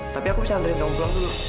tapi aku bisa anterin kamu pulang dulu